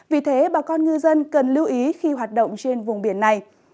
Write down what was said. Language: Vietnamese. vì thế bà con ngư dân cần lưu ý khi hoạt động trên vùng biển này